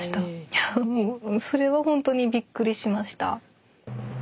いやもうそれはほんとにびっくりしました。